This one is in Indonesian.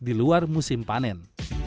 di luar musim panen